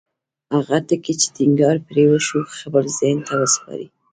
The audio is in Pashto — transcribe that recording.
هغه ټکي چې ټينګار پرې وشو خپل ذهن ته وسپارئ.